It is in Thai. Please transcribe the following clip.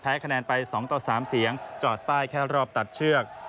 คะแนนไป๒ต่อ๓เสียงจอดป้ายแค่รอบตัดเชือก